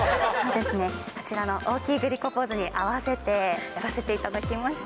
こちらの大きいグリコポーズに合わせてやらせていただきました。